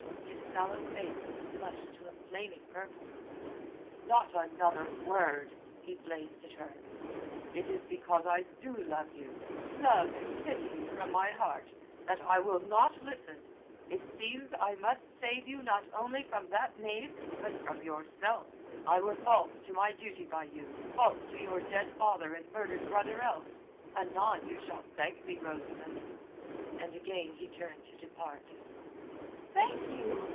His sallow face was flushed to a flaming purple. "Not another word!" he blazed at her. "It is because I do love you—love and pity you from my heart—that I will not listen. It seems I must save you not only from that knave, but from yourself. I were false to my duty by you, false to your dead father and murdered brother else. Anon, you shall thank me, Rosamund." And again he turned to depart. "Thank you?"